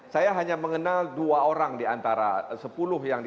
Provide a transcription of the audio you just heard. saya hanya mengenal dua orang di antara sepuluh